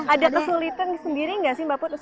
ada kesulitan sendiri nggak sih mbak putri